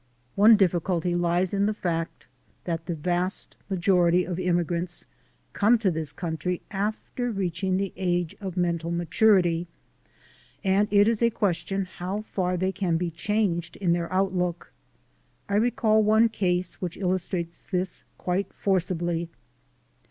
One difficulty lies in the fact that the vast ma jority of immigrants come to this country after reaching the age of mental maturity, and it is a question how far they can be changed in their out look. I recall one case which illustrates this quite forcibly.